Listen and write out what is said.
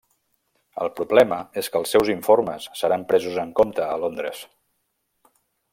El problema és que els seus informes seran presos en compte a Londres.